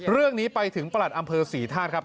เรื่องนี้ไปถึงประหลัดอำเภอศรีธาตุครับ